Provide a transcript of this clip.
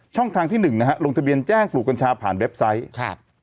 ๑ช่องทางที่๑ลงทะเบียนแจ้งปลูกกัญชาผ่านเว็บไซต์